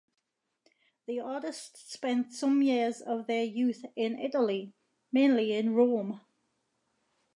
The artist spent some years of their youth in Italy, mainly in Rome.